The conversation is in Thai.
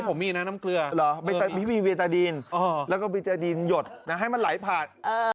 น้องอ้ำนี่น้ำเกลือน้ำน้ำเกลือลาดล้างก่อน